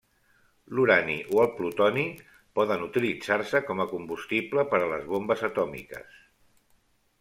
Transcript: L'urani o el plutoni poden utilitzar-se com a combustible per a les bombes atòmiques.